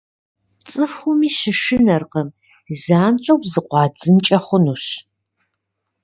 ЦӀыхуми щышынэркъым – занщӀэу зыкъуадзынкӀэ хъунущ.